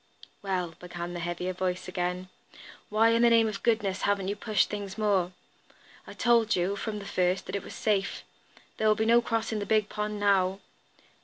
"Well," began the heavier voice again, "why in the name of goodness haven't you pushed things more? I told you, from the first, that all was safe. There will be no crossing the big pond now.